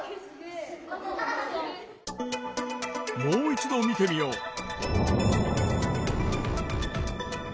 もう一度見てみよう。